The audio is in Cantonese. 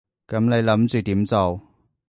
噉你諗住點做？